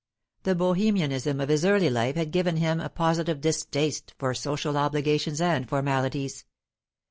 The Bohemianism of his early life had even given him a positive distaste for social obligations and formalities.